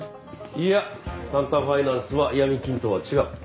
いやタンタンファイナンスは闇金とは違う。